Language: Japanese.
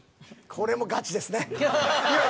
これもガチですね。